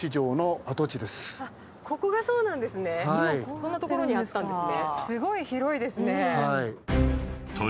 こんな所にあったんですね。